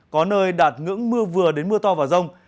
có nơi đạt ngưỡng mưa vừa đến mưa to và rông